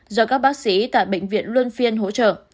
do các bác sĩ tại bệnh viện luân phiên hỗ trợ